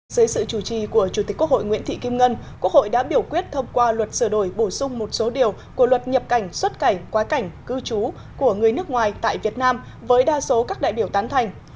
dưới sự chủ trì của chủ tịch quốc hội nguyễn thị kim ngân quốc hội đã biểu quyết thông qua luật sửa đổi bổ sung một số điều của luật nhập cảnh xuất cảnh quá cảnh cư trú của người nước ngoài tại việt nam với đa số các đại biểu tán thành